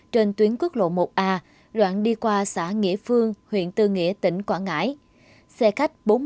trên tuyến quốc lộ một a đoạn đi qua xã nghĩa phương huyện tư nghĩa tỉnh quảng ngãi xe khách bốn mươi